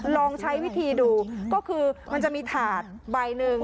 ลองใช้วิธีดูก็คือมันจะมีถาดใบหนึ่ง